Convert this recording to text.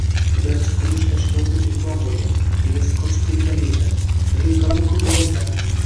Pudratchi qurilish tashkiloti gumdon boʻlgan, egasi qochib ketgan deyishadi. Nega qabul qilib olinmagan?